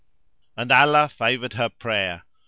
"[FN#523] And Allah favoured her prayer.